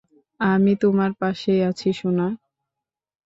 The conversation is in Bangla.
আমি তোমার পাশেই আছি, সোনা!